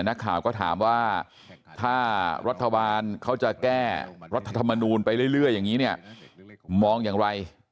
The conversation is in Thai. นักข่าวก็ถามว่าถ้ารัฐบาลเขาจะแก้รัฐธรรมนูลไปเรื่อยอย่างนี้เนี่ยมองอย่างไร